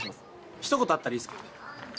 ひと言あったらいいっすけどね。